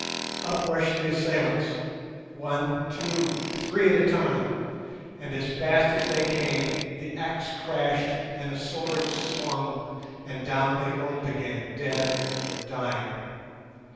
Up rushed the assailants, one, two, three at a time, and as fast as they came, the axe crashed and the sword swung, and down they rolled again, dead or dying.